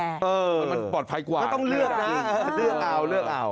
มันปลอดภัยกว่าต้องเลือกนะเลือกเอา